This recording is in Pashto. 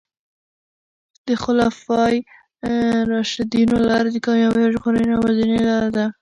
د خلفای راشدینو لاره د کامیابۍ او ژغورنې یوازینۍ لاره ده.